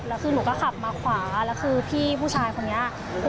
แล้วคือหนูก็ขับมาขวาแล้วคือพี่ผู้ชายคนนี้